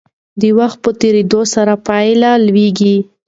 د وخت په تیریدو سره پایلې لویېږي.